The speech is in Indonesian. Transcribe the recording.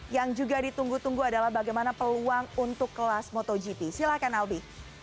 yang juga ditunggu tunggu adalah bagaimana peluang untuk kelas motogp silahkan albi